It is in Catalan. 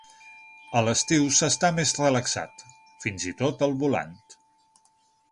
A l'estiu s'està més relaxat, fins i tot al volant.